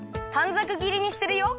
ざくぎりにするよ。